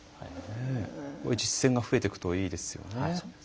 こういう実践が増えていくといいですよね。